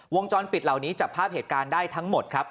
วงจรปิดเหล่านี้จับภาพเหตุการณ์ได้ทั้งหมดครับ